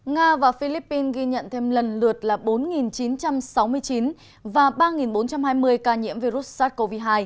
nga và philippines ghi nhận thêm lần lượt là bốn chín trăm sáu mươi chín và ba bốn trăm hai mươi ca nhiễm virus sars cov hai